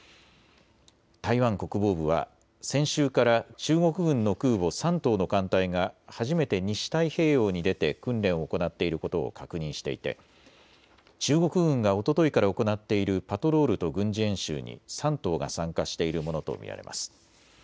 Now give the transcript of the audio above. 台湾国防部は先週から中国軍の空母、山東の艦隊が初めて西太平洋に出て訓練を行っていることを確認していて中国軍がおとといから行っているパトロールと軍事演習に山東が参加しているものと見られます。